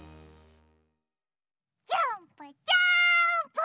ジャンプジャンプ！